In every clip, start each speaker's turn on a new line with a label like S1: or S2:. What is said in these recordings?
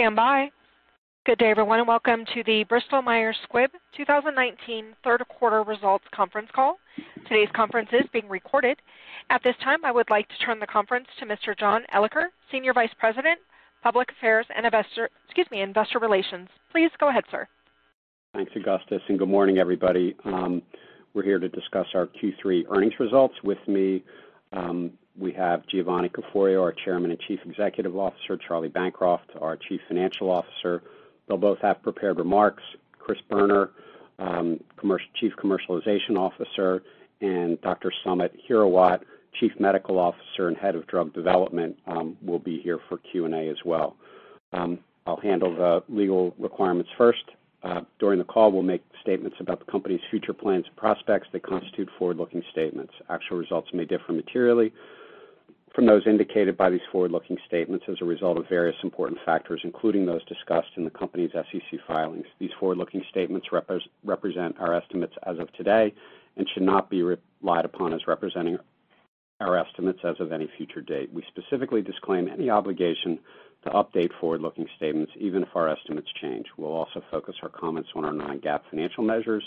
S1: Please stand by. Good day, everyone, and welcome to the Bristol-Myers Squibb 2019 third quarter results conference call. Today's conference is being recorded. At this time, I would like to turn the conference to Mr. John Elicker, Senior Vice President, Public Affairs and Investor Relations. Please go ahead, sir.
S2: Thanks, Augustus. Good morning, everybody. We're here to discuss our Q3 earnings results. With me, we have Giovanni Caforio, our Chairman and Chief Executive Officer, Charles Bancroft, our Chief Financial Officer. They'll both have prepared remarks. Christopher Boerner, Chief Commercialization Officer, and Dr. Samit Hirawat, Chief Medical Officer and Head of Drug Development, will be here for Q&A as well. I'll handle the legal requirements first. During the call, we'll make statements about the company's future plans and prospects that constitute forward-looking statements. Actual results may differ materially from those indicated by these forward-looking statements as a result of various important factors, including those discussed in the company's SEC filings. These forward-looking statements represent our estimates as of today and should not be relied upon as representing our estimates as of any future date. We specifically disclaim any obligation to update forward-looking statements even if our estimates change. We'll also focus our comments on our non-GAAP financial measures,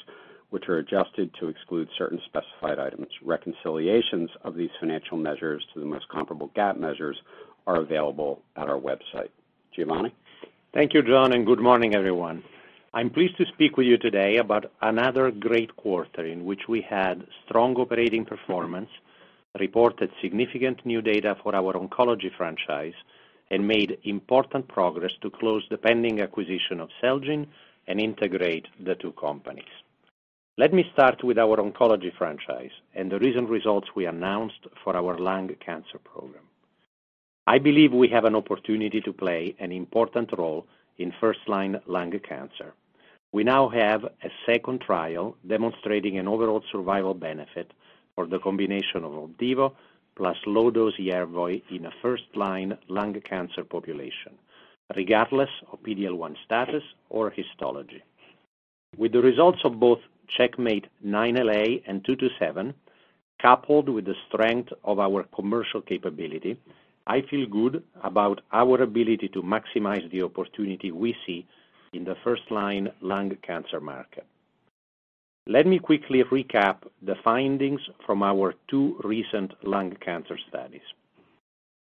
S2: which are adjusted to exclude certain specified items. Reconciliations of these financial measures to the most comparable GAAP measures are available at our website. Giovanni?
S3: Thank you, John, and good morning, everyone. I'm pleased to speak with you today about another great quarter in which we had strong operating performance, reported significant new data for our oncology franchise, and made important progress to close the pending acquisition of Celgene and integrate the two companies. Let me start with our oncology franchise and the recent results we announced for our lung cancer program. I believe we have an opportunity to play an important role in first-line lung cancer. We now have a second trial demonstrating an overall survival benefit for the combination of OPDIVO plus low dose YERVOY in a first-line lung cancer population, regardless of PD-L1 status or histology. With the results of both CheckMate 9LA and CheckMate 227, coupled with the strength of our commercial capability, I feel good about our ability to maximize the opportunity we see in the first-line lung cancer market. Let me quickly recap the findings from our two recent lung cancer studies.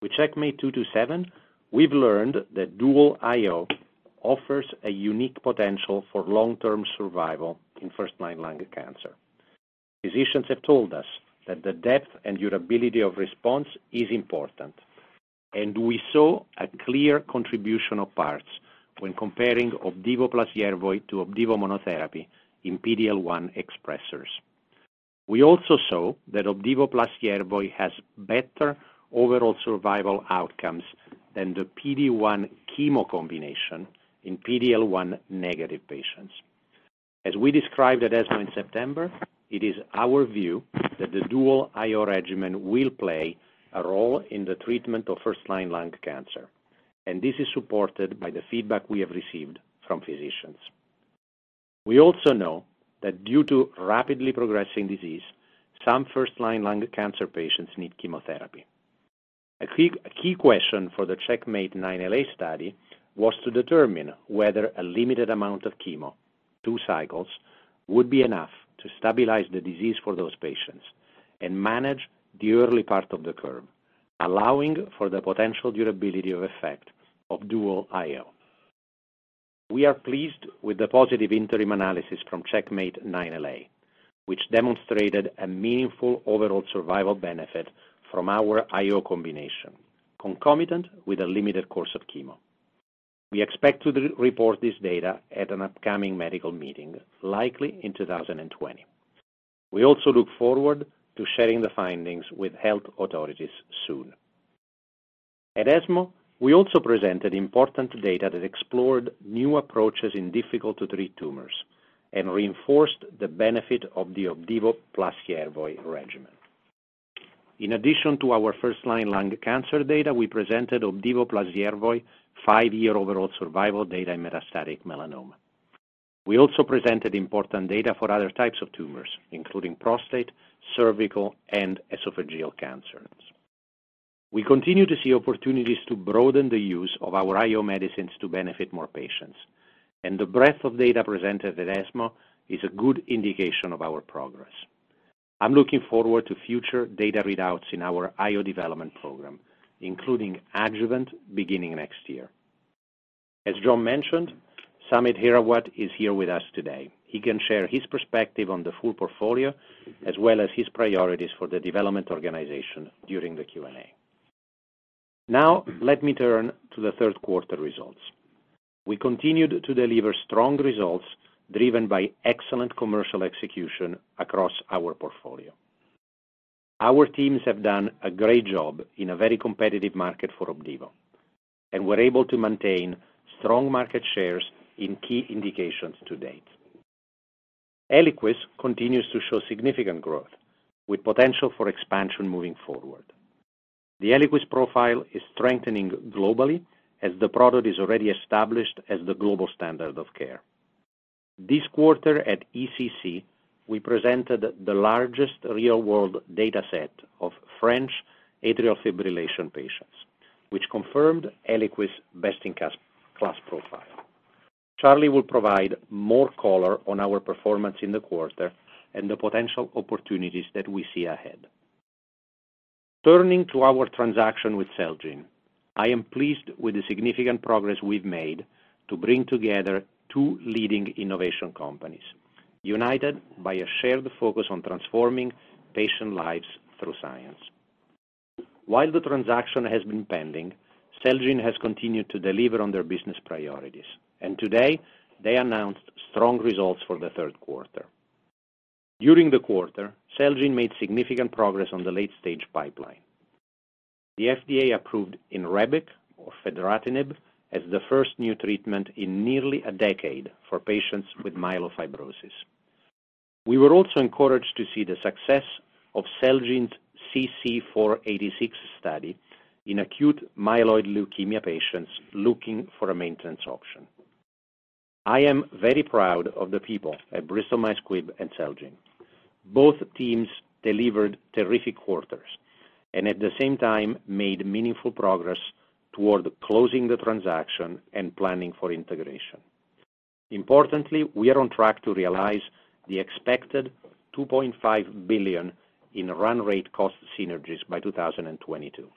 S3: With CheckMate 227, we've learned that dual IO offers a unique potential for long-term survival in first-line lung cancer. Physicians have told us that the depth and durability of response is important, and we saw a clear contribution of parts when comparing OPDIVO plus YERVOY to OPDIVO monotherapy in PD-L1 expressers. We also saw that OPDIVO plus YERVOY has better overall survival outcomes than the PD-1 chemo combination in PD-L1 negative patients. As we described at ESMO in September, it is our view that the dual IO regimen will play a role in the treatment of first-line lung cancer, and this is supported by the feedback we have received from physicians. We also know that due to rapidly progressing disease, some first-line lung cancer patients need chemotherapy. A key question for the CheckMate 9LA study was to determine whether a limited amount of chemo, two cycles, would be enough to stabilize the disease for those patients and manage the early part of the curve, allowing for the potential durability of effect of dual IO. We are pleased with the positive interim analysis from CheckMate 9LA, which demonstrated a meaningful overall survival benefit from our IO combination, concomitant with a limited course of chemo. We expect to report this data at an upcoming medical meeting, likely in 2020. We also look forward to sharing the findings with health authorities soon. At ESMO, we also presented important data that explored new approaches in difficult-to-treat tumors and reinforced the benefit of the Opdivo plus Yervoy regimen. In addition to our first-line lung cancer data, we presented Opdivo plus Yervoy five-year overall survival data in metastatic melanoma. We also presented important data for other types of tumors, including prostate, cervical, and esophageal cancers. We continue to see opportunities to broaden the use of our IO medicines to benefit more patients, and the breadth of data presented at ESMO is a good indication of our progress. I'm looking forward to future data readouts in our IO development program, including adjuvant beginning next year. As John mentioned, Samit Hirawat is here with us today. He can share his perspective on the full portfolio, as well as his priorities for the development organization during the Q&A. Let me turn to the third quarter results. We continued to deliver strong results driven by excellent commercial execution across our portfolio. Our teams have done a great job in a very competitive market for Opdivo, and we're able to maintain strong market shares in key indications to date. Eliquis continues to show significant growth with potential for expansion moving forward. The Eliquis profile is strengthening globally as the product is already established as the global standard of care. This quarter at ESC, we presented the largest real-world data set of French atrial fibrillation patients, which confirmed Eliquis best-in-class profile. Charlie will provide more color on our performance in the quarter and the potential opportunities that we see ahead. Turning to our transaction with Celgene, I am pleased with the significant progress we've made to bring together two leading innovation companies, united by a shared focus on transforming patient lives through science. While the transaction has been pending, Celgene has continued to deliver on their business priorities, and today they announced strong results for the third quarter. During the quarter, Celgene made significant progress on the late-stage pipeline. The FDA approved INREBIC, or fedratinib, as the first new treatment in nearly a decade for patients with myelofibrosis. We were also encouraged to see the success of Celgene's CC-486 study in acute myeloid leukemia patients looking for a maintenance option. I am very proud of the people at Bristol-Myers Squibb and Celgene. Both teams delivered terrific quarters, and at the same time, made meaningful progress toward closing the transaction and planning for integration. Importantly, we are on track to realize the expected $2.5 billion in run rate cost synergies by 2022.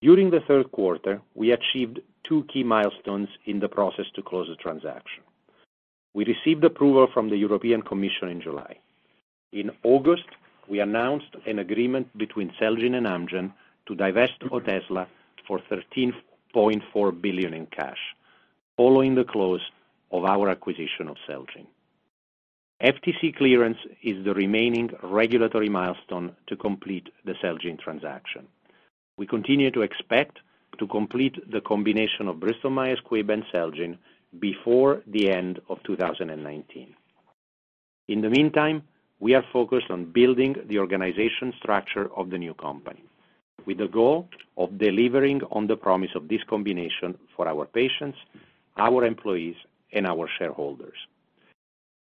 S3: During the third quarter, we achieved two key milestones in the process to close the transaction. We received approval from the European Commission in July. In August, we announced an agreement between Celgene and Amgen to divest Otezla for $13.4 billion in cash, following the close of our acquisition of Celgene. FTC clearance is the remaining regulatory milestone to complete the Celgene transaction. We continue to expect to complete the combination of Bristol-Myers Squibb and Celgene before the end of 2019. In the meantime, we are focused on building the organization structure of the new company with the goal of delivering on the promise of this combination for our patients, our employees, and our shareholders.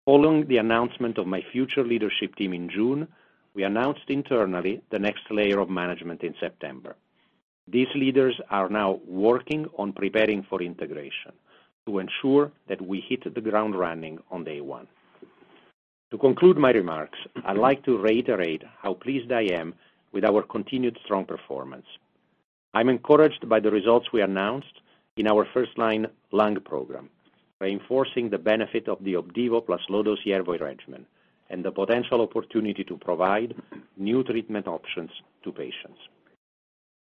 S3: Following the announcement of my future leadership team in June, we announced internally the next layer of management in September. These leaders are now working on preparing for integration to ensure that we hit the ground running on day one. To conclude my remarks, I'd like to reiterate how pleased I am with our continued strong performance. I'm encouraged by the results we announced in our first-line lung program, reinforcing the benefit of the OPDIVO plus low-dose YERVOY regimen and the potential opportunity to provide new treatment options to patients.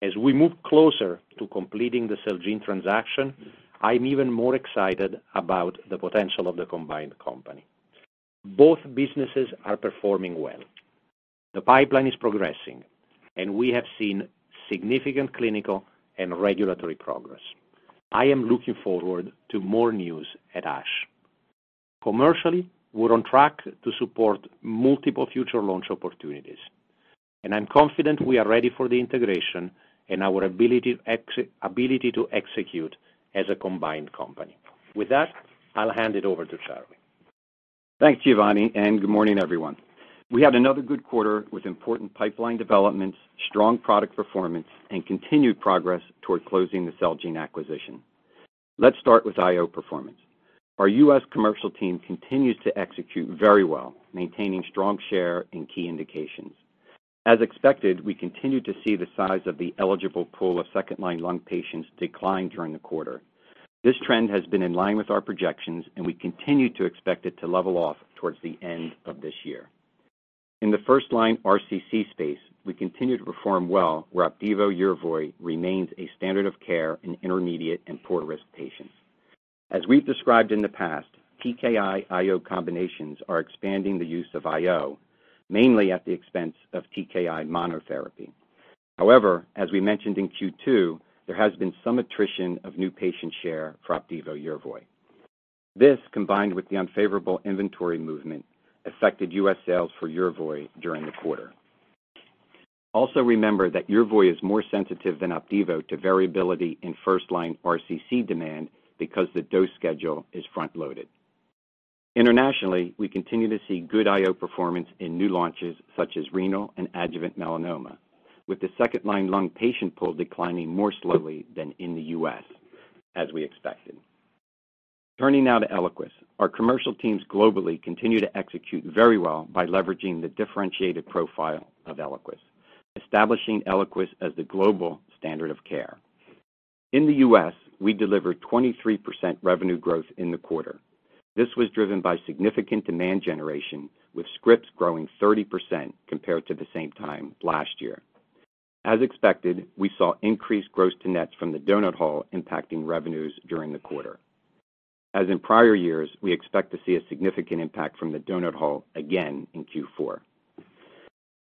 S3: As we move closer to completing the Celgene transaction, I'm even more excited about the potential of the combined company. Both businesses are performing well. The pipeline is progressing, and we have seen significant clinical and regulatory progress. I am looking forward to more news at ASH. Commercially, we're on track to support multiple future launch opportunities, and I'm confident we are ready for the integration and our ability to execute as a combined company. With that, I'll hand it over to Charlie.
S4: Thanks, Giovanni. Good morning, everyone. We had another good quarter with important pipeline developments, strong product performance, and continued progress toward closing the Celgene acquisition. Let's start with IO performance. Our U.S. commercial team continues to execute very well, maintaining strong share in key indications. As expected, we continue to see the size of the eligible pool of second-line lung patients decline during the quarter. This trend has been in line with our projections, and we continue to expect it to level off towards the end of this year. In the first-line RCC space, we continue to perform well, where OPDIVO YERVOY remains a standard of care in intermediate and poor-risk patients. As we've described in the past, TKI/IO combinations are expanding the use of IO, mainly at the expense of TKI monotherapy. However, as we mentioned in Q2, there has been some attrition of new patient share for OPDIVO YERVOY. This, combined with the unfavorable inventory movement, affected U.S. sales for YERVOY during the quarter. Also remember that YERVOY is more sensitive than OPDIVO to variability in first-line RCC demand because the dose schedule is front-loaded. Internationally, we continue to see good IO performance in new launches such as renal and adjuvant melanoma, with the second-line lung patient pool declining more slowly than in the U.S., as we expected. Turning now to ELIQUIS. Our commercial teams globally continue to execute very well by leveraging the differentiated profile of ELIQUIS, establishing ELIQUIS as the global standard of care. In the U.S., we delivered 23% revenue growth in the quarter. This was driven by significant demand generation, with scripts growing 30% compared to the same time last year. As expected, we saw increased gross to nets from the donut hole impacting revenues during the quarter. As in prior years, we expect to see a significant impact from the donut hole again in Q4.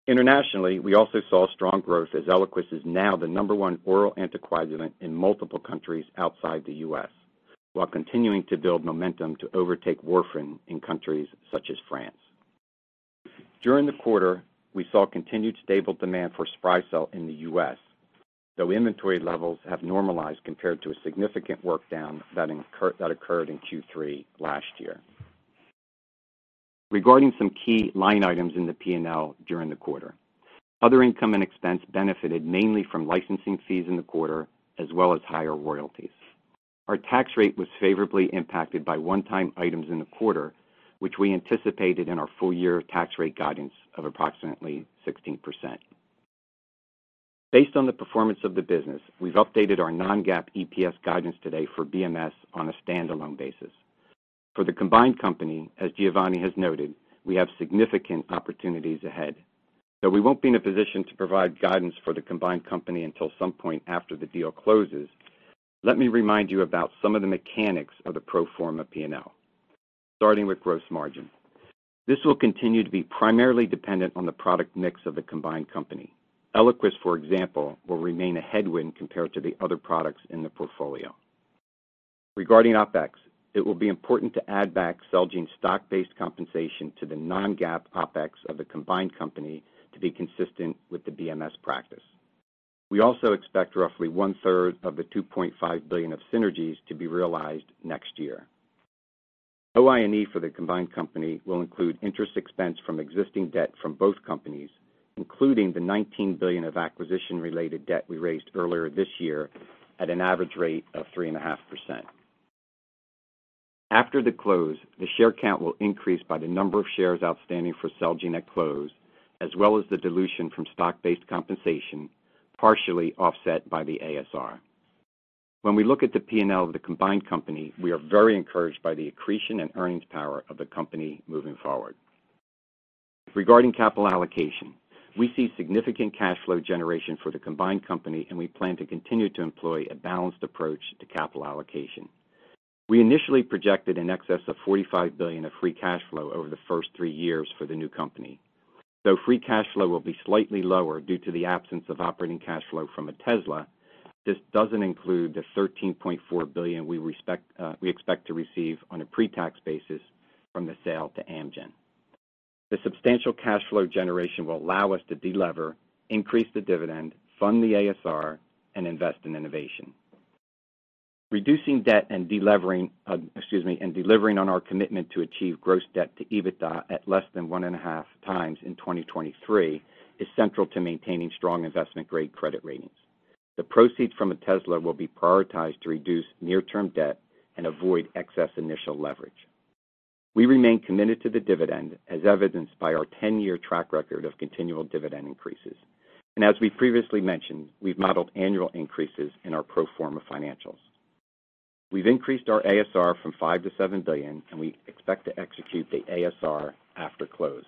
S4: Internationally, we also saw strong growth as ELIQUIS is now the number one oral anticoagulant in multiple countries outside the U.S., while continuing to build momentum to overtake warfarin in countries such as France. During the quarter, we saw continued stable demand for SPRYCEL in the U.S., though inventory levels have normalized compared to a significant work down that occurred in Q3 last year. Regarding some key line items in the P&L during the quarter, other income and expense benefited mainly from licensing fees in the quarter, as well as higher royalties. Our tax rate was favorably impacted by one-time items in the quarter, which we anticipated in our full-year tax rate guidance of approximately 16%. Based on the performance of the business, we've updated our non-GAAP EPS guidance today for BMS on a standalone basis. For the combined company, as Giovanni has noted, we have significant opportunities ahead. We won't be in a position to provide guidance for the combined company until some point after the deal closes. Let me remind you about some of the mechanics of the pro forma P&L, starting with gross margin. This will continue to be primarily dependent on the product mix of the combined company. ELIQUIS, for example, will remain a headwind compared to the other products in the portfolio. Regarding OpEx, it will be important to add back Celgene stock-based compensation to the non-GAAP OpEx of the combined company to be consistent with the BMS practice. We also expect roughly one-third of the $2.5 billion of synergies to be realized next year. OINE for the combined company will include interest expense from existing debt from both companies, including the $19 billion of acquisition-related debt we raised earlier this year at an average rate of 3.5%. After the close, the share count will increase by the number of shares outstanding for Celgene at close, as well as the dilution from stock-based compensation, partially offset by the ASR. When we look at the P&L of the combined company, we are very encouraged by the accretion and earnings power of the company moving forward. Regarding capital allocation, we see significant cash flow generation for the combined company, and we plan to continue to employ a balanced approach to capital allocation. We initially projected in excess of $45 billion of free cash flow over the first three years for the new company. Though free cash flow will be slightly lower due to the absence of operating cash flow from Otezla, this doesn't include the $13.4 billion we expect to receive on a pre-tax basis from the sale to Amgen. The substantial cash flow generation will allow us to de-lever, increase the dividend, fund the ASR, and invest in innovation. Reducing debt and delivering on our commitment to achieve gross debt to EBITDA at less than 1.5 times in 2023 is central to maintaining strong investment-grade credit ratings. The proceeds from Otezla will be prioritized to reduce near-term debt and avoid excess initial leverage. We remain committed to the dividend, as evidenced by our 10-year track record of continual dividend increases. As we previously mentioned, we've modeled annual increases in our pro forma financials. We've increased our ASR from $5 billion to $7 billion, and we expect to execute the ASR after close.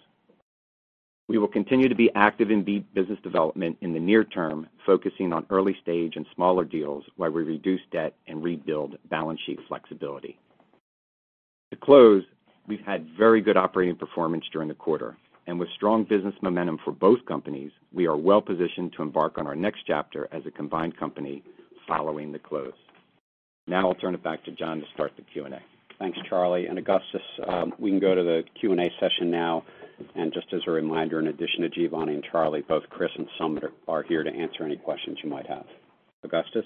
S4: We will continue to be active in business development in the near term, focusing on early stage and smaller deals while we reduce debt and rebuild balance sheet flexibility. With strong business momentum for both companies, we are well positioned to embark on our next chapter as a combined company following the close. I'll turn it back to John to start the Q&A.
S2: Thanks, Charlie. Augustus, we can go to the Q&A session now. Just as a reminder, in addition to Giovanni and Charlie, both Chris and Samit are here to answer any questions you might have. Augustus?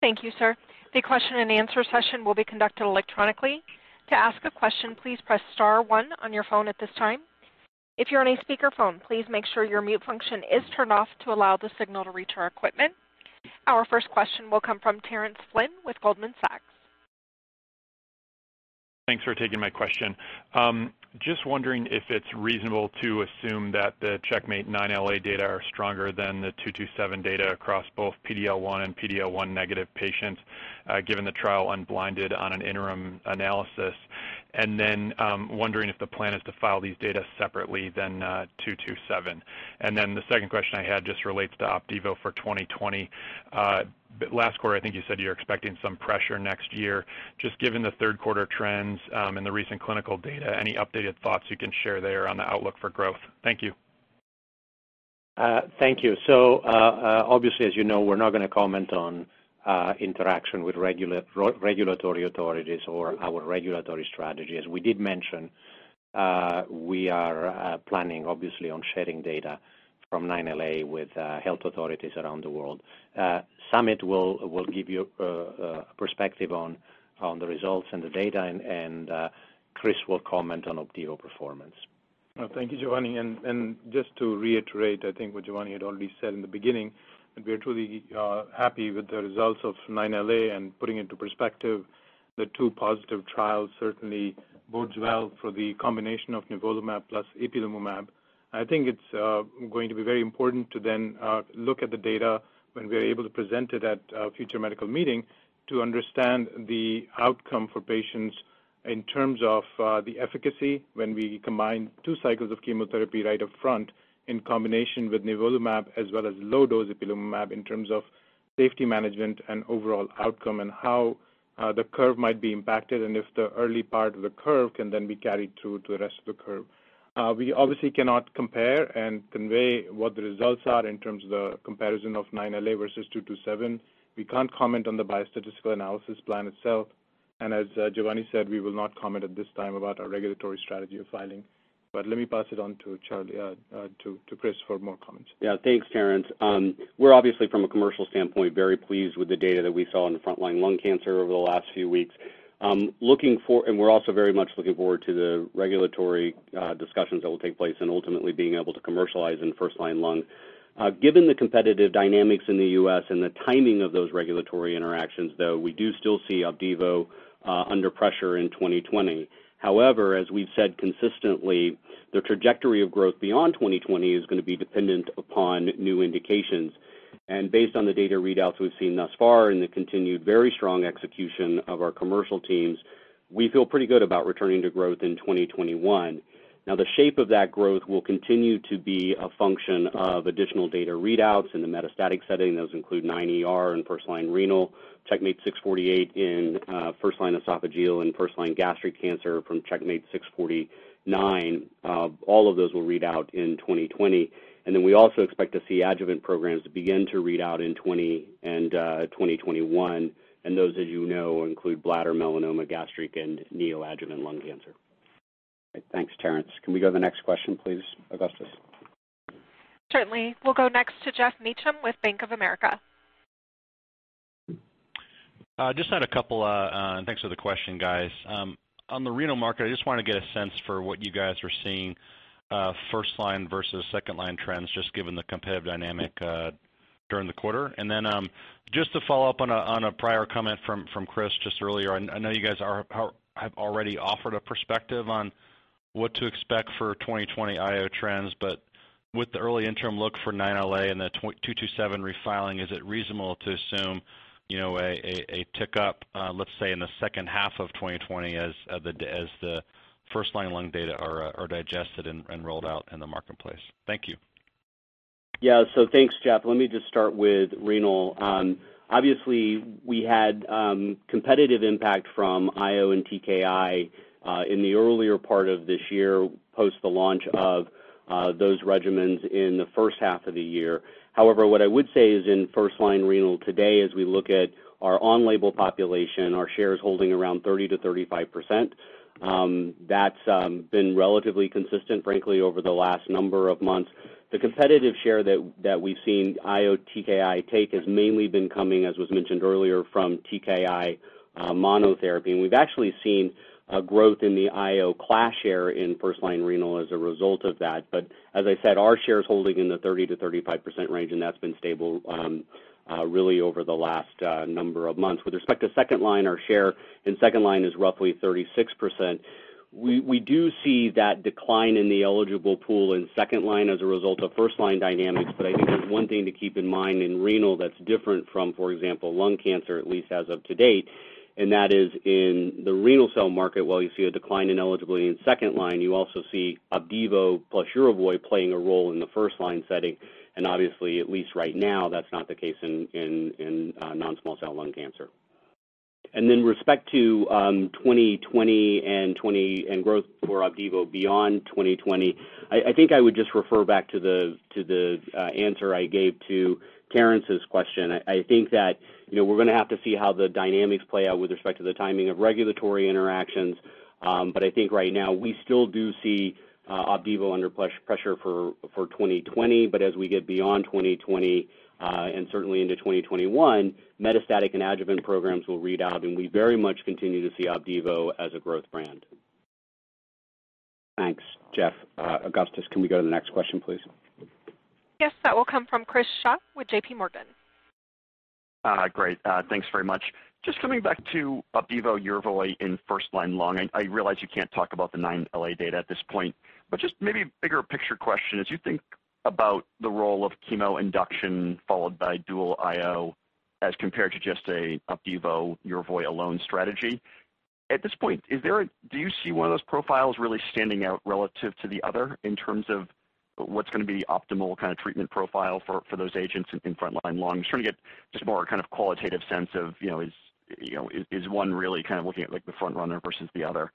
S1: Thank you, sir. The question and answer session will be conducted electronically. To ask a question, please press star 1 on your phone at this time. If you're on a speakerphone, please make sure your mute function is turned off to allow the signal to reach our equipment. Our first question will come from Terence Flynn with Goldman Sachs.
S5: Thanks for taking my question. Just wondering if it's reasonable to assume that the CheckMate 9LA data are stronger than the 227 data across both PD-L1 and PD-L1 negative patients, given the trial unblinded on an interim analysis. Wondering if the plan is to file these data separately than 227. The second question I had just relates to OPDIVO for 2020. Last quarter, I think you said you're expecting some pressure next year. Just given the third quarter trends, and the recent clinical data, any updated thoughts you can share there on the outlook for growth? Thank you.
S3: Thank you. Obviously, as you know, we're not going to comment on interaction with regulatory authorities or our regulatory strategy. As we did mention, we are planning obviously on sharing data from 9LA with health authorities around the world. Samit will give you perspective on the results and the data, and Chris will comment on OPDIVO performance.
S6: Thank you, Giovanni. Just to reiterate, I think what Giovanni had already said in the beginning, that we are truly happy with the results of 9LA and putting into perspective the two positive trials certainly bodes well for the combination of nivolumab plus ipilimumab. I think it's going to be very important to then look at the data when we are able to present it at a future medical meeting to understand the outcome for patients in terms of the efficacy when we combine two cycles of chemotherapy right up front in combination with nivolumab, as well as low dose ipilimumab, in terms of safety management and overall outcome, and how the curve might be impacted, and if the early part of the curve can then be carried through to the rest of the curve. We obviously cannot compare and convey what the results are in terms of the comparison of 9LA versus 227. We can't comment on the biostatistical analysis plan itself. As Giovanni said, we will not comment at this time about our regulatory strategy of filing. Let me pass it on to Chris for more comments.
S7: Yeah. Thanks, Terence. We're obviously, from a commercial standpoint, very pleased with the data that we saw in the frontline lung cancer over the last few weeks. We're also very much looking forward to the regulatory discussions that will take place and ultimately being able to commercialize in first-line lung. Given the competitive dynamics in the U.S. and the timing of those regulatory interactions, though, we do still see OPDIVO under pressure in 2020. However, as we've said consistently, the trajectory of growth beyond 2020 is going to be dependent upon new indications. Based on the data readouts we've seen thus far and the continued very strong execution of our commercial teams, we feel pretty good about returning to growth in 2021. Now, the shape of that growth will continue to be a function of additional data readouts in the metastatic setting. Those include 9ER in first-line renal, CheckMate 648 in first-line esophageal and first-line gastric cancer from CheckMate 649. All of those will read out in 2020. We also expect to see adjuvant programs begin to read out in 2020 and 2021. Those, as you know, include bladder, melanoma, gastric, and neoadjuvant lung cancer.
S2: Thanks, Terence. Can we go to the next question, please, Augustus?
S1: Certainly. We'll go next to Geoff Meacham with Bank of America.
S8: Just had a couple. Thanks for the question, guys. On the renal market, I just wanted to get a sense for what you guys are seeing first-line versus second-line trends, just given the competitive dynamic during the quarter. Then just to follow up on a prior comment from Chris just earlier, I know you guys have already offered a perspective on what to expect for 2020 IO trends. With the early interim look for 9LA and the 227 refiling, is it reasonable to assume a tick up, let's say, in the second half of 2020 as the first-line lung data are digested and rolled out in the marketplace? Thank you.
S7: Thanks, Geoff. Let me just start with renal. Obviously, we had competitive impact from IO and TKI in the earlier part of this year, post the launch of those regimens in the first half of the year. However, what I would say is in first-line renal today, as we look at our on-label population, our share is holding around 30%-35%. That's been relatively consistent, frankly, over the last number of months. The competitive share that we've seen IO/TKI take has mainly been coming, as was mentioned earlier, from TKI monotherapy, and we've actually seen a growth in the IO class share in first-line renal as a result of that. As I said, our share is holding in the 30%-35% range, and that's been stable really over the last number of months. With respect to second-line, our share in second-line is roughly 36%. We do see that decline in the eligible pool in second-line as a result of first-line dynamics. I think there's one thing to keep in mind in renal that's different from, for example, lung cancer, at least as of to date, and that is in the renal cell market, while you see a decline in eligibility in second-line, you also see OPDIVO plus YERVOY playing a role in the first-line setting, and obviously, at least right now, that's not the case in non-small cell lung cancer. With respect to 2020 and growth for OPDIVO beyond 2020, I think I would just refer back to the answer I gave to Terence's question. I think that we're going to have to see how the dynamics play out with respect to the timing of regulatory interactions. I think right now we still do see OPDIVO under pressure for 2020. As we get beyond 2020 and certainly into 2021, metastatic and adjuvant programs will read out, and we very much continue to see OPDIVO as a growth brand.
S2: Thanks, Geoff. Augustus, can we go to the next question, please?
S1: Yes. That will come from Chris Schott with JPMorgan.
S9: Great. Thanks very much. Just coming back to OPDIVO/YERVOY in first-line lung. I realize you can't talk about the 9LA data at this point, just maybe a bigger picture question. As you think about the role of chemo induction followed by dual IO as compared to just an OPDIVO/YERVOY alone strategy, at this point, do you see one of those profiles really standing out relative to the other in terms of what's going to be the optimal kind of treatment profile for those agents in front-line lung? I'm trying to get just more kind of qualitative sense of is one really kind of looking at the front runner versus the other.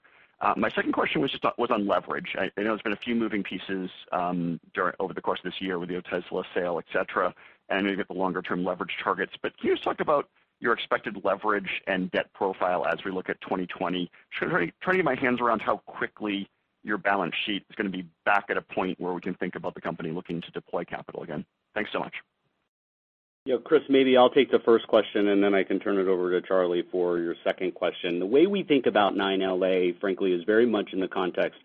S9: My second question was on leverage. I know there's been a few moving pieces over the course of this year with the Otezla sale, et cetera, and I know you've got the longer-term leverage targets, but can you just talk about your expected leverage and debt profile as we look at 2020? Trying to get my hands around how quickly your balance sheet is going to be back at a point where we can think about the company looking to deploy capital again. Thanks so much.
S7: Yeah, Chris, maybe I'll take the first question, then I can turn it over to Charlie for your second question. The way we think about CheckMate 9LA, frankly, is very much in the context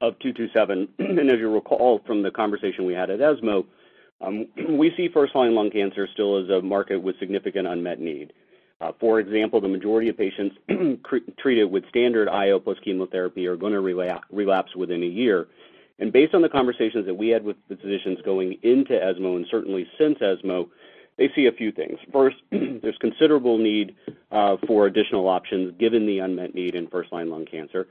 S7: of CheckMate 227. As you'll recall from the conversation we had at ESMO, we see first-line lung cancer still as a market with significant unmet need. For example, the majority of patients treated with standard IO plus chemotherapy are going to relapse within a year. Based on the conversations that we had with the physicians going into ESMO, and certainly since ESMO, they see a few things. First, there's considerable need for additional options given the unmet need in first-line lung cancer.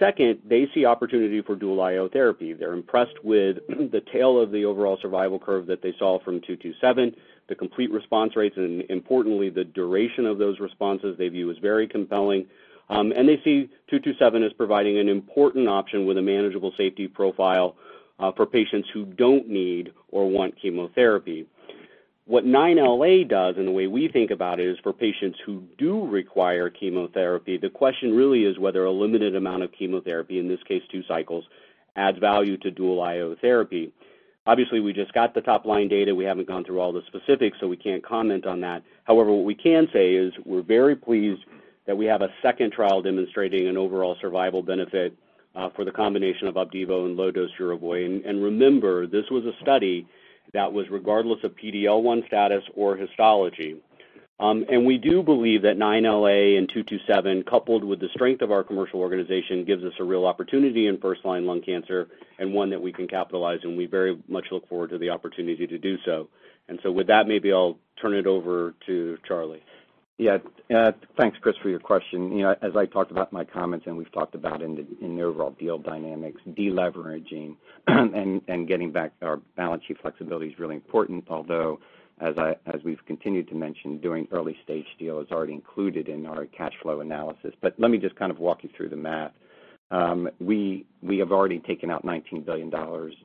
S7: Second, they see opportunity for dual IO therapy. They're impressed with the tail of the overall survival curve that they saw from CheckMate 227. The complete response rates and importantly, the duration of those responses they view as very compelling. They see 227 as providing an important option with a manageable safety profile for patients who don't need or want chemotherapy. What 9LA does, and the way we think about it, is for patients who do require chemotherapy, the question really is whether a limited amount of chemotherapy, in this case two cycles, adds value to dual IO therapy. Obviously, we just got the top-line data. We haven't gone through all the specifics, so we can't comment on that. However, what we can say is we're very pleased that we have a second trial demonstrating an overall survival benefit for the combination of OPDIVO and low-dose YERVOY. Remember, this was a study that was regardless of PD-L1 status or histology. We do believe that 9LA and 227, coupled with the strength of our commercial organization, gives us a real opportunity in first-line lung cancer and one that we can capitalize on, and we very much look forward to the opportunity to do so. With that, maybe I'll turn it over to Charlie.
S4: Yeah. Thanks, Chris, for your question. As I talked about in my comments and we've talked about in the overall deal dynamics, de-leveraging and getting back our balance sheet flexibility is really important. Although, as we've continued to mention, doing early-stage deal is already included in our cash flow analysis. Let me just kind of walk you through the math. We have already taken out $19 billion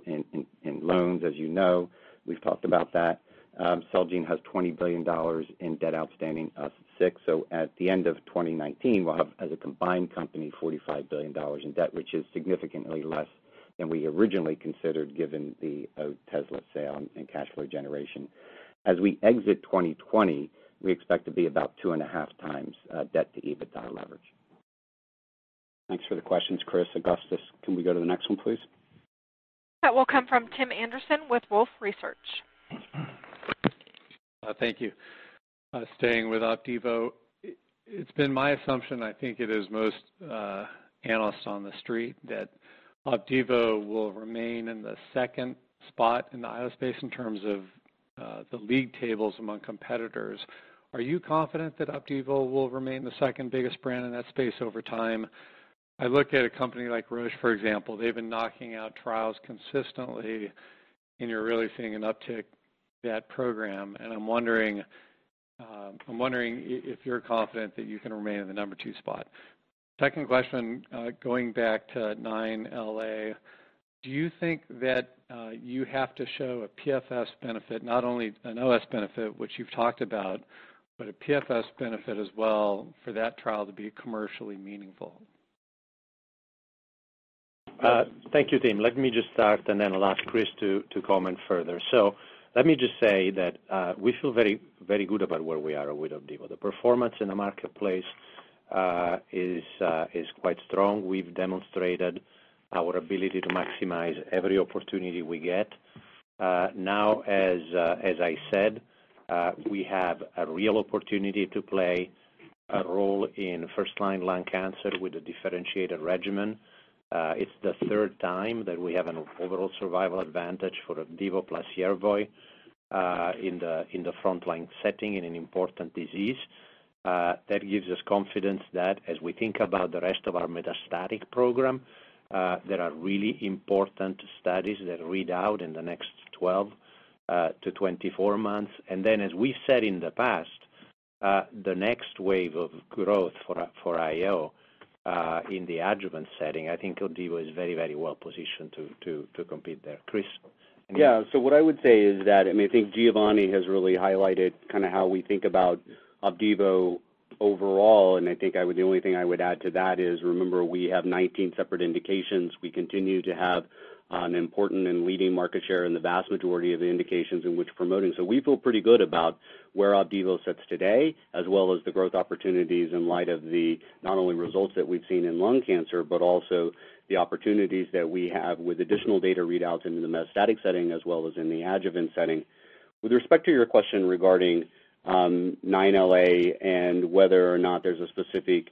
S4: in loans, as you know. We've talked about that. Celgene has $20 billion in debt outstanding, us 6. At the end of 2019, we'll have, as a combined company, $45 billion in debt, which is significantly less than we originally considered, given the Otezla sale and cash flow generation. As we exit 2020, we expect to be about 2.5 times debt to EBITDA leverage.
S2: Thanks for the questions, Chris. Augustus, can we go to the next one, please?
S1: That will come from Tim Anderson with Wolfe Research.
S10: Thank you. Staying with OPDIVO, it's been my assumption, I think it is most analysts on the street, that OPDIVO will remain in the second spot in the IO space in terms of the league tables among competitors. Are you confident that OPDIVO will remain the second biggest brand in that space over time? I look at a company like Roche, for example. They've been knocking out trials consistently, and you're really seeing an uptick that program, and I'm wondering if you're confident that you can remain in the number two spot. Second question, going back to 9LA, do you think that you have to show a PFS benefit, not only an OS benefit, which you've talked about, but a PFS benefit as well for that trial to be commercially meaningful?
S3: Thank you, Tim. Let me just start, and then I'll ask Chris to comment further. Let me just say that we feel very good about where we are with Opdivo. The performance in the marketplace is quite strong. We've demonstrated our ability to maximize every opportunity we get. Now as I said, we have a real opportunity to play a role in first-line lung cancer with a differentiated regimen. It's the third time that we have an overall survival advantage for Opdivo plus Yervoy in the front line setting in an important disease. That gives us confidence that as we think about the rest of our metastatic program, there are really important studies that read out in the next 12-24 months. As we've said in the past, the next wave of growth for IO in the adjuvant setting, I think OPDIVO is very well positioned to compete there. Chris?
S7: What I would say is that, I think Giovanni has really highlighted kind of how we think about OPDIVO overall, and I think the only thing I would add to that is, remember, we have 19 separate indications. We continue to have an important and leading market share in the vast majority of the indications in which promoting. We feel pretty good about where OPDIVO sits today, as well as the growth opportunities in light of the not only results that we've seen in lung cancer, but also the opportunities that we have with additional data readouts into the metastatic setting, as well as in the adjuvant setting. With respect to your question regarding 9LA and whether or not there's a specific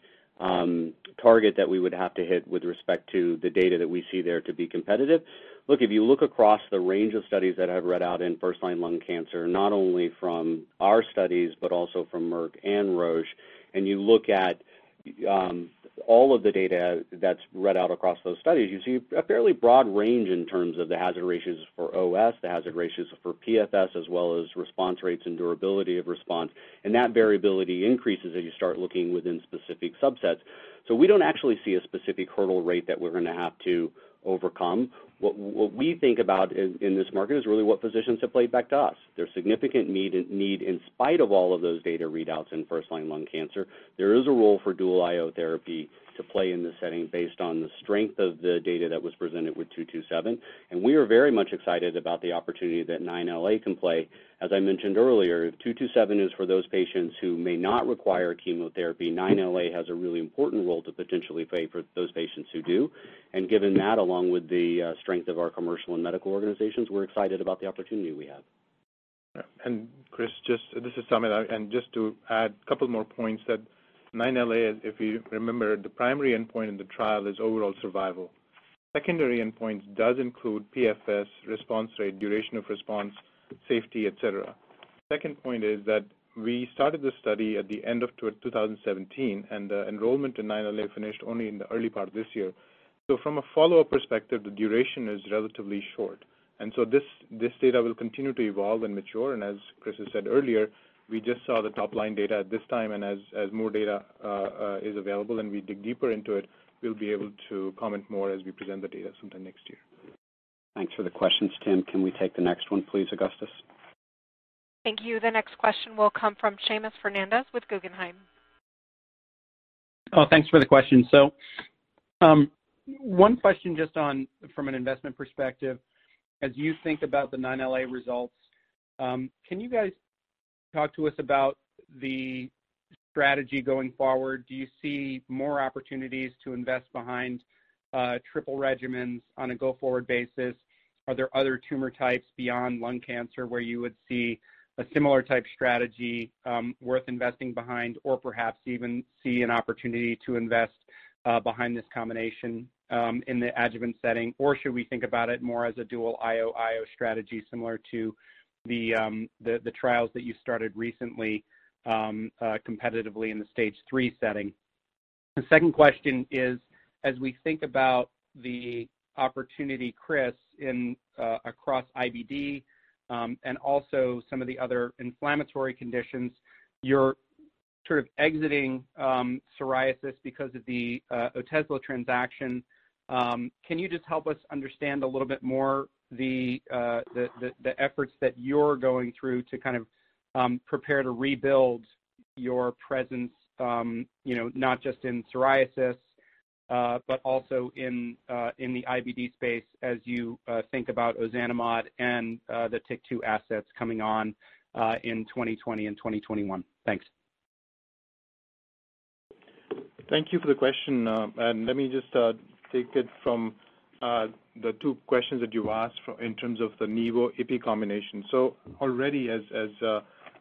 S7: target that we would have to hit with respect to the data that we see there to be competitive. Look, if you look across the range of studies that have read out in first-line lung cancer, not only from our studies but also from Merck and Roche, and you look at all of the data that's read out across those studies, you see a fairly broad range in terms of the hazard ratios for OS, the hazard ratios for PFS, as well as response rates and durability of response, and that variability increases as you start looking within specific subsets. We don't actually see a specific hurdle rate that we're going to have to overcome. What we think about in this market is really what positions to play back to us. There's significant need in spite of all of those data readouts in first-line lung cancer. There is a role for dual IO therapy to play in this setting based on the strength of the data that was presented with 227. We are very much excited about the opportunity that 9LA can play. As I mentioned earlier, if 227 is for those patients who may not require chemotherapy, 9LA has a really important role to potentially play for those patients who do. Given that, along with the strength of our commercial and medical organizations, we're excited about the opportunity we have.
S6: Chris, this is Samit. Just to add a couple more points that 9LA, if you remember, the primary endpoint in the trial is overall survival. Secondary endpoint does include PFS, response rate, duration of response, safety, et cetera. Second point is that we started the study at the end of 2017. The enrollment in 9LA finished only in the early part of this year. From a follow-up perspective, the duration is relatively short. This data will continue to evolve and mature. As Chris has said earlier, we just saw the top-line data at this time. As more data is available and we dig deeper into it, we'll be able to comment more as we present the data sometime next year.
S2: Thanks for the questions, Tim. Can we take the next one, please, Augustus?
S1: Thank you. The next question will come from Seamus Fernandez with Guggenheim.
S11: Thanks for the question. One question just from an investment perspective, as you think about the 9LA results, can you guys talk to us about the strategy going forward? Do you see more opportunities to invest behind triple regimens on a go-forward basis? Are there other tumor types beyond lung cancer where you would see a similar type strategy worth investing behind, or perhaps even see an opportunity to invest behind this combination in the adjuvant setting? Should we think about it more as a dual IO strategy similar to the trials that you started recently competitively in the stage 3 setting? The second question is, as we think about the opportunity, Chris, across IBD and also some of the other inflammatory conditions, you're exiting psoriasis because of the Otezla transaction. Can you just help us understand a little bit more the efforts that you're going through to prepare to rebuild your presence not just in psoriasis, but also in the IBD space as you think about ozanimod and the TYK2 assets coming on in 2020 and 2021? Thanks.
S6: Thank you for the question. Let me just take it from the two questions that you asked in terms of the nivo/ipi combination. Already, as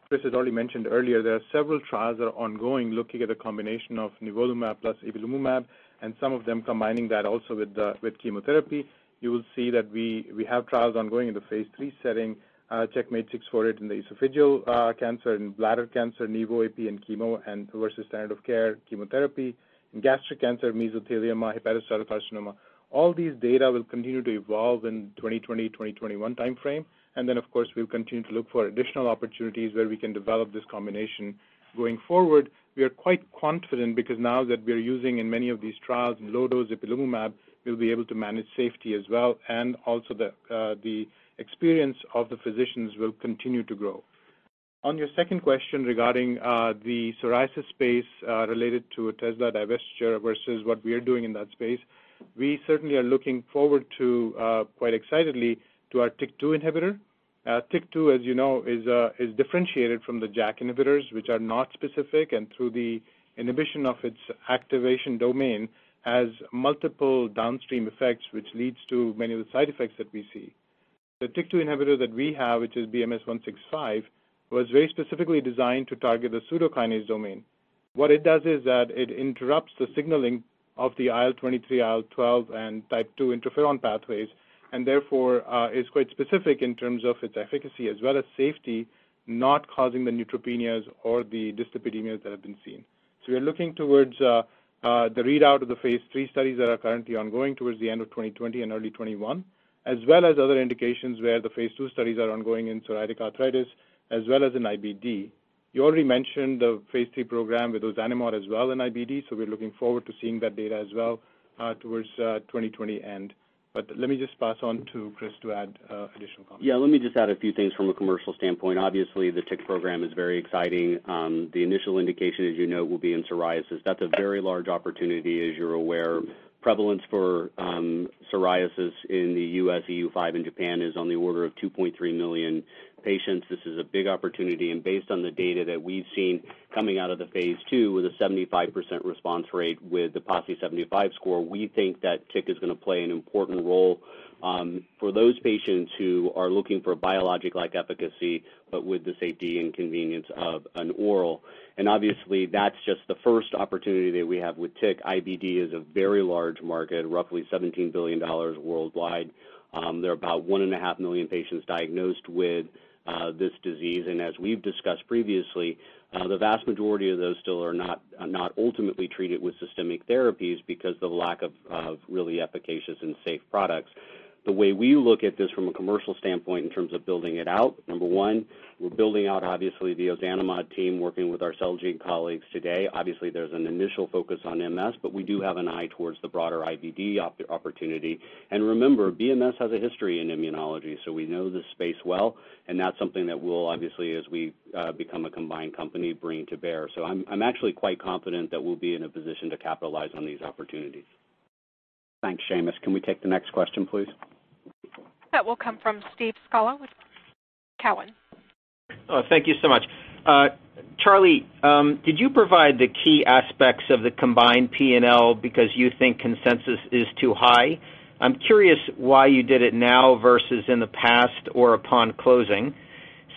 S6: Chris has already mentioned earlier, there are several trials that are ongoing looking at the combination of nivolumab plus ipilimumab, and some of them combining that also with chemotherapy. You will see that we have trials ongoing in the phase III setting, CheckMate 648 in the esophageal cancer, in bladder cancer, nivo/ipi and chemo and versus standard of care chemotherapy, in gastric cancer, mesothelioma, hepatocellular carcinoma. All these data will continue to evolve in 2020-2021 timeframe. Then, of course, we'll continue to look for additional opportunities where we can develop this combination going forward. We are quite confident because now that we're using in many of these trials low-dose ipilimumab, we'll be able to manage safety as well, and also the experience of the physicians will continue to grow. On your second question regarding the psoriasis space related to Otezla divestiture versus what we are doing in that space, we certainly are looking forward quite excitedly to our TYK2 inhibitor. TYK2, as you know, is differentiated from the JAK inhibitors, which are not specific, and through the inhibition of its activation domain, has multiple downstream effects, which leads to many of the side effects that we see. The TYK2 inhibitor that we have, which is BMS-986165, was very specifically designed to target the pseudokinase domain. What it does is that it interrupts the signaling of the IL-23, IL-12, and type 2 interferon pathways, and therefore is quite specific in terms of its efficacy as well as safety, not causing the neutropenias or the dyslipidemia that have been seen. We are looking towards the readout of the phase III studies that are currently ongoing towards the end of 2020 and early 2021, as well as other indications where the phase II studies are ongoing in psoriatic arthritis as well as in IBD. You already mentioned the phase III program with ozanimod as well in IBD, we're looking forward to seeing that data as well towards 2020 end. Let me just pass on to Chris to add additional comments.
S7: Yeah, let me just add a few things from a commercial standpoint. Obviously, the TYK program is very exciting. The initial indication, as you know, will be in psoriasis. That's a very large opportunity, as you're aware. Prevalence for psoriasis in the U.S., EU 5, and Japan is on the order of 2.3 million patients. This is a big opportunity, based on the data that we've seen coming out of the phase II with a 75% response rate with the PASI 75 score, we think that TYK is going to play an important role for those patients who are looking for biologic-like efficacy but with the safety and convenience of an oral. Obviously, that's just the first opportunity that we have with TYK. IBD is a very large market, roughly $17 billion worldwide. There are about one and a half million patients diagnosed with this disease. As we've discussed previously, the vast majority of those still are not ultimately treated with systemic therapies because of the lack of really efficacious and safe products. The way we look at this from a commercial standpoint in terms of building it out, number one, we're building out, obviously, the ozanimod team working with our Celgene colleagues today. Obviously, there's an initial focus on MS, but we do have an eye towards the broader IBD opportunity. Remember, BMS has a history in immunology, so we know this space well, and that's something that we'll obviously, as we become a combined company, bring to bear. I'm actually quite confident that we'll be in a position to capitalize on these opportunities.
S2: Thanks, Seamus. Can we take the next question, please?
S1: That will come from Steve Scala with Cowen.
S12: Oh, thank you so much. Charlie, did you provide the key aspects of the combined P&L because you think consensus is too high? I'm curious why you did it now versus in the past or upon closing.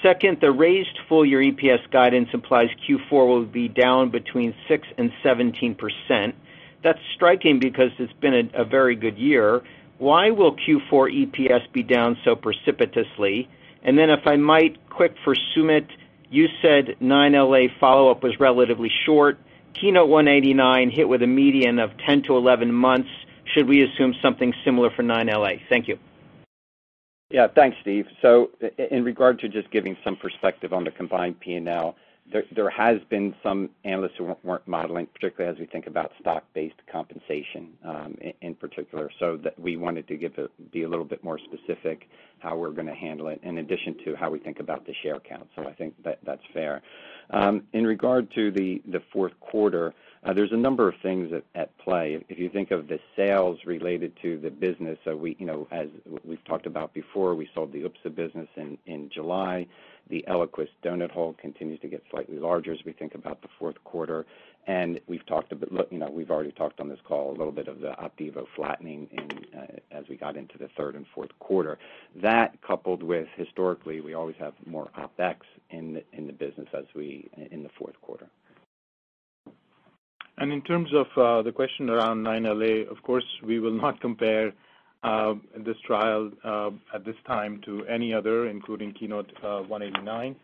S12: Second, the raised full-year EPS guidance implies Q4 will be down between 6% and 17%. That's striking because it's been a very good year. Why will Q4 EPS be down so precipitously? If I might, quick for Samit, you said 9LA follow-up was relatively short. KEYNOTE-189 hit with a median of 10-11 months. Should we assume something similar for 9LA? Thank you.
S4: Thanks, Steve. In regard to just giving some perspective on the combined P&L, there has been some analysts who weren't modeling, particularly as we think about stock-based compensation, in particular. We wanted to be a little bit more specific how we're going to handle it in addition to how we think about the share count. I think that's fair. In regard to the fourth quarter, there's a number of things at play. If you think of the sales related to the business. As we've talked about before, we sold the UPSA business in July. The ELIQUIS donut hole continues to get slightly larger as we think about the fourth quarter. We've already talked on this call a little bit of the OPDIVO flattening as we got into the third and fourth quarter. That coupled with historically, we always have more OpEx in the business in the fourth quarter.
S6: In terms of the question around 9LA, of course, we will not compare this trial at this time to any other, including KEYNOTE-189,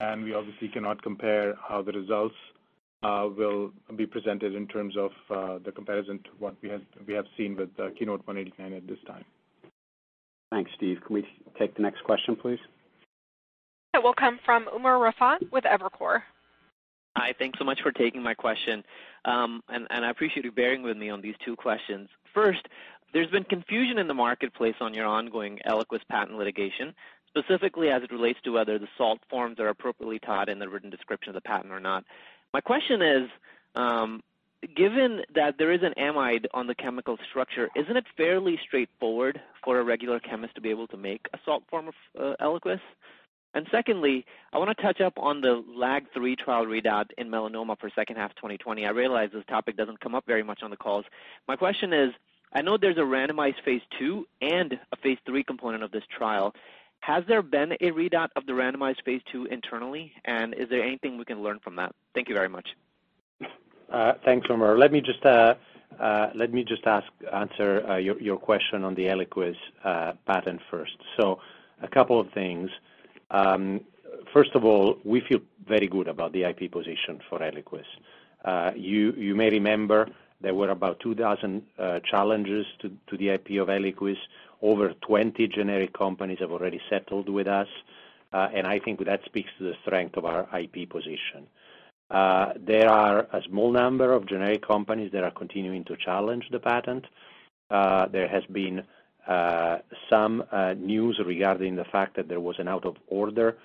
S6: and we obviously cannot compare how the results will be presented in terms of the comparison to what we have seen with KEYNOTE-189 at this time.
S7: Thanks, Steve. Can we take the next question, please?
S1: That will come from Umer Raffat with Evercore.
S13: Hi. Thanks so much for taking my question. I appreciate you bearing with me on these two questions. First, there's been confusion in the marketplace on your ongoing ELIQUIS patent litigation, specifically as it relates to whether the salt forms are appropriately tied in the written description of the patent or not. My question is, given that there is an amide on the chemical structure, isn't it fairly straightforward for a regular chemist to be able to make a salt form of ELIQUIS? Secondly, I want to touch up on the LAG-3 trial readout in melanoma for second half 2020. I realize this topic doesn't come up very much on the calls. My question is, I know there's a randomized phase II and a phase III component of this trial. Has there been a readout of the randomized phase II internally, and is there anything we can learn from that? Thank you very much.
S3: Thanks, Umer. Let me just answer your question on the ELIQUIS patent first. A couple of things. First of all, we feel very good about the IP position for ELIQUIS. You may remember there were about 2,000 challenges to the IP of ELIQUIS. Over 20 generic companies have already settled with us. I think that speaks to the strength of our IP position. There are a small number of generic companies that are continuing to challenge the patent. There has been some news regarding the fact that there was an out-of-order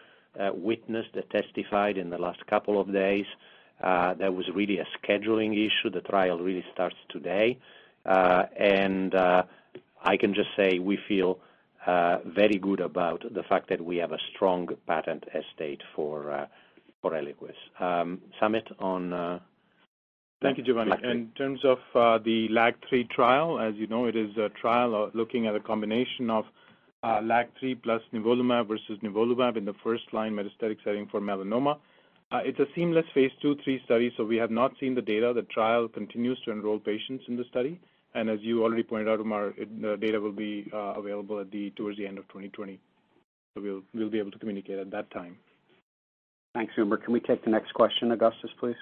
S3: witness that testified in the last couple of days. That was really a scheduling issue. The trial really starts today. I can just say we feel very good about the fact that we have a strong patent estate for ELIQUIS. Samit,
S6: Thank you, Giovanni. In terms of the LAG-3 trial, as you know, it is a trial looking at a combination of LAG-3 plus nivolumab versus nivolumab in the first line metastatic setting for melanoma. It's a seamless phase II, III study, so we have not seen the data. The trial continues to enroll patients in the study. As you already pointed out, Umer, the data will be available towards the end of 2020. We'll be able to communicate at that time.
S2: Thanks, Umer. Can we take the next question, Augustus, please?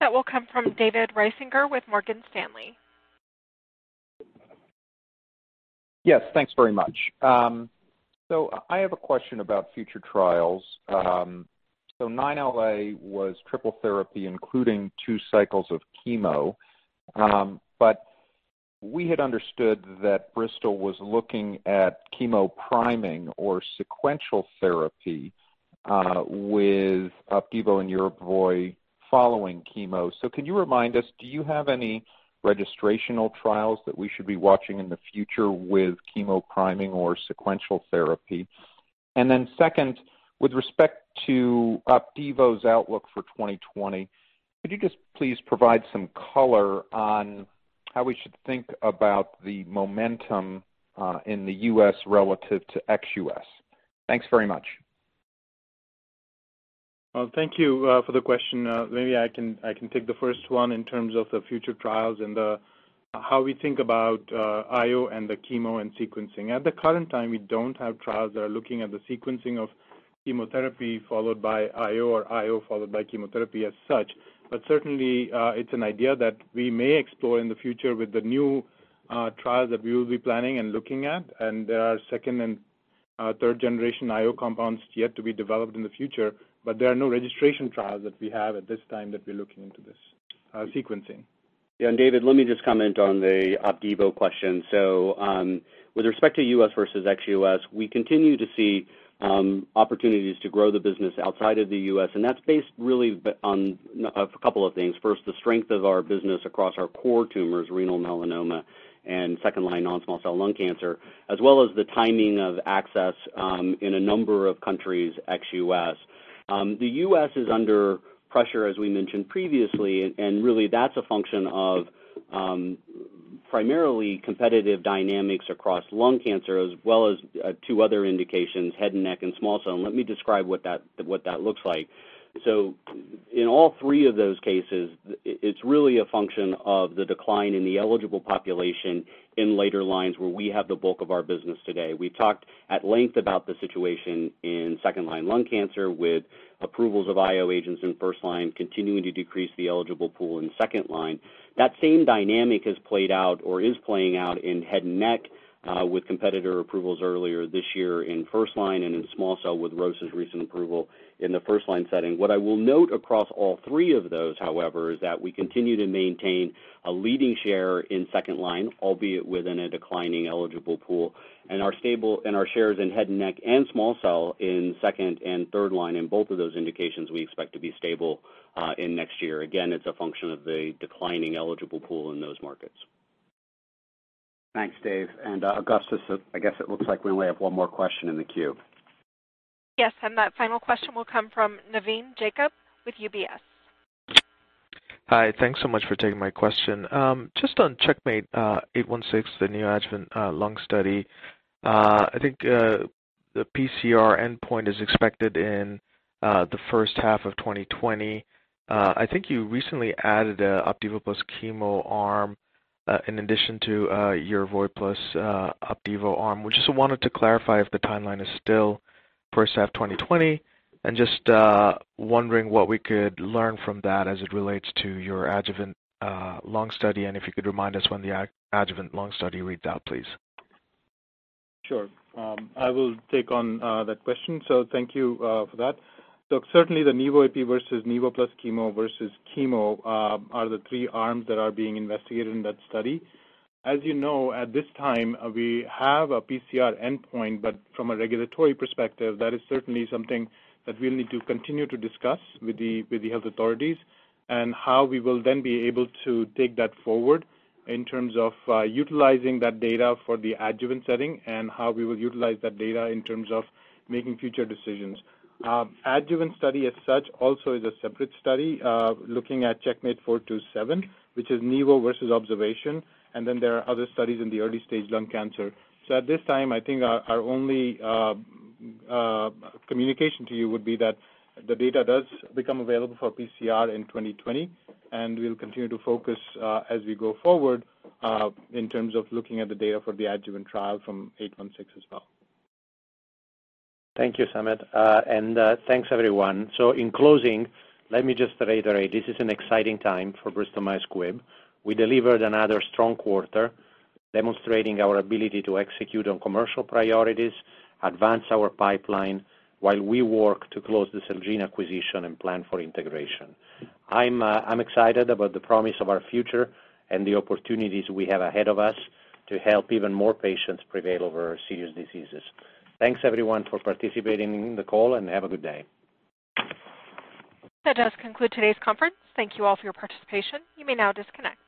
S1: That will come from David Risinger with Morgan Stanley.
S14: Yes, thanks very much. I have a question about future trials. 9LA was triple therapy, including two cycles of chemo. We had understood that Bristol was looking at chemo priming or sequential therapy with OPDIVO and YERVOY following chemo. Can you remind us, do you have any registrational trials that we should be watching in the future with chemo priming or sequential therapy? Second, with respect to OPDIVO's outlook for 2020, could you just please provide some color on how we should think about the momentum in the U.S. relative to ex-U.S.? Thanks very much.
S6: Thank you for the question. Maybe I can take the first one in terms of the future trials and how we think about IO and the chemo and sequencing. At the current time, we don't have trials that are looking at the sequencing of chemotherapy followed by IO or IO followed by chemotherapy as such. Certainly, it's an idea that we may explore in the future with the new trials that we will be planning and looking at, and there are second and third generation IO compounds yet to be developed in the future, but there are no registration trials that we have at this time that we're looking into this sequencing.
S7: David, let me just comment on the OPDIVO question. With respect to U.S. versus ex-U.S., we continue to see opportunities to grow the business outside of the U.S., and that's based really on a couple of things. First, the strength of our business across our core tumors, renal melanoma and second-line non-small cell lung cancer, as well as the timing of access in a number of countries, ex-U.S. The U.S. is under pressure, as we mentioned previously, and really that's a function of primarily competitive dynamics across lung cancer as well as two other indications, head and neck and small cell, let me describe what that looks like. In all three of those cases, it's really a function of the decline in the eligible population in later lines where we have the bulk of our business today. We've talked at length about the situation in second line lung cancer, with approvals of IO agents in first line continuing to decrease the eligible pool in second line. That same dynamic has played out or is playing out in head and neck, with competitor approvals earlier this year in first line, and in small cell with Roche's recent approval in the first line setting. What I will note across all three of those, however, is that we continue to maintain a leading share in second line, albeit within a declining eligible pool, and our shares in head and neck and small cell in second and third line in both of those indications we expect to be stable in next year. Again, it's a function of the declining eligible pool in those markets.
S2: Thanks, Dave. Augustus, I guess it looks like we only have one more question in the queue.
S1: Yes. That final question will come from Navin Jacob with UBS.
S15: Hi. Thanks so much for taking my question. Just on CheckMate 816, the neoadjuvant lung study. I think the pCR endpoint is expected in the first half of 2020. I think you recently added an OPDIVO plus chemo arm, in addition to your YERVOY plus OPDIVO arm. We just wanted to clarify if the timeline is still first half 2020, and just wondering what we could learn from that as it relates to your adjuvant lung study, and if you could remind us when the adjuvant lung study reads out, please.
S6: Sure. I will take on that question. Thank you for that. Certainly the nivo IP versus nivo plus chemo versus chemo are the three arms that are being investigated in that study. As you know, at this time, we have a pCR endpoint, but from a regulatory perspective, that is certainly something that we'll need to continue to discuss with the health authorities and how we will then be able to take that forward in terms of utilizing that data for the adjuvant setting and how we will utilize that data in terms of making future decisions. Adjuvant study as such also is a separate study, looking at CheckMate 77T, which is nivo versus observation. Then there are other studies in the early stage lung cancer. At this time, I think our only communication to you would be that the data does become available for pCR in 2020, and we'll continue to focus as we go forward in terms of looking at the data for the adjuvant trial from 816 as well.
S3: Thank you, Samit. Thanks, everyone. In closing, let me just reiterate, this is an exciting time for Bristol-Myers Squibb. We delivered another strong quarter demonstrating our ability to execute on commercial priorities, advance our pipeline while we work to close the Celgene acquisition and plan for integration. I'm excited about the promise of our future and the opportunities we have ahead of us to help even more patients prevail over serious diseases. Thanks everyone for participating in the call and have a good day.
S1: That does conclude today's conference. Thank you all for your participation. You may now disconnect.